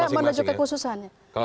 ya jadi menunjukkan khususannya